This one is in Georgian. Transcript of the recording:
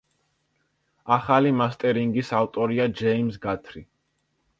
ახალი მასტერინგის ავტორია ჯეიმზ გათრი.